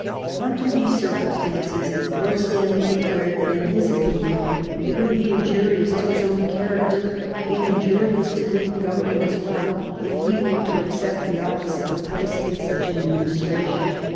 Under these circumstances Lord Stanley declared that, in his opinion, it would be injurious to his own character and injurious to the new Government as well if he were to accept the offer of a place in such an Administration.